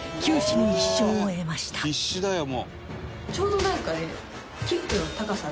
「必死だよもう」